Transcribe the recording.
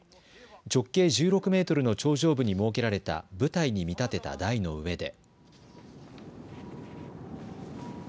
直径１６メートルの頂上部に設けられた舞台に見立てた台の上で。